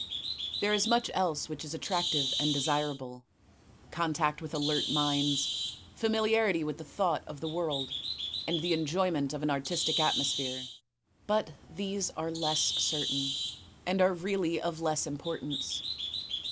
There is much else which is attractive and desirable, — contact with alert minds, familiarity with the thought of the world, and the ttijoyment of an artistic atmosphere, — but these are less 326 THE TECHNIQUE OF THE MYSTERY STORY certain, and are really of less importance.